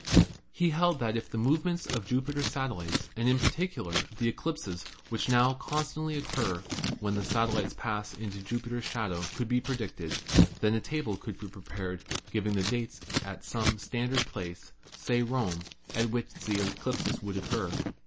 He held that if the movements o f Jupiter's satellites and, in particular, the eclipses which constantly occur when the satellites pass into Jupiter's shadow, could be predicted, then a table could be prepared giving the dates at some standard place, say Rome, at which the eclipses would occur.